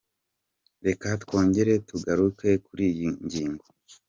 Reka twongere tugaruke kuri iyi ngingo.